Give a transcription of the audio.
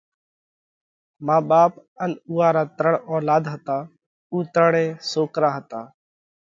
مان ٻاپ ان اُوئا را ترڻ اولاڌ هتا، اُو ترڻي سوڪرا هتا۔